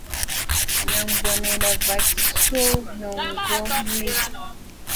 Nan bonenda vat sui nʼongue Noy.